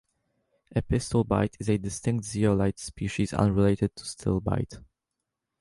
Epistilbite is a distinct zeolite species unrelated to stilbite.